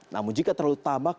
namun jika terlalu tamak